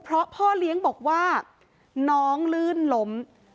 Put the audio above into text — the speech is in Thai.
เพราะพ่อเลี้ยงบอกว่าน้องลื่นล้ม